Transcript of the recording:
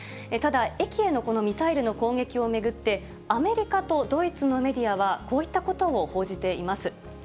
ただ、駅へのこのミサイルの攻撃を巡って、アメリカとドイツのメディアは、こういったことを報じています。